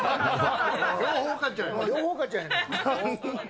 両方、岡ちゃんやん。